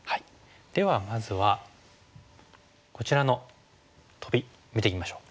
ではまずはこちらのトビ見ていきましょう。